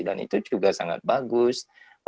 dan itu juga sangat bagus